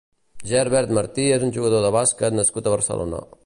Gerbert Martí és un jugador de bàsquet nascut a Barcelona.